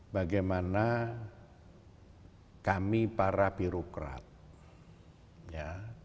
bagaimana kami para birokrat ya